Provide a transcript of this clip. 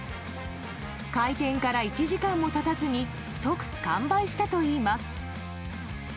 開店から１時間も経たずに即完売したといいます。